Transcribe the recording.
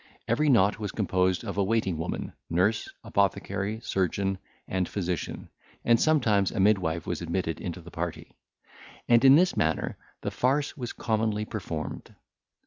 Every knot was composed of a waiting woman, nurse, apothecary, surgeon, and physician, and sometimes a midwife was admitted into the party; and in this manner the farce was commonly performed.